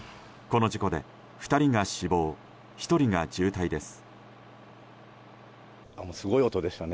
この事故で２人が死亡１人が重体です。